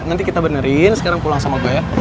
nanti kita benerin sekarang pulang sama mbak ya